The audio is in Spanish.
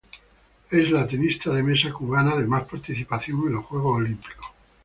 Es la tenista de mesa cubana de más participación en Juegos Olímpicos.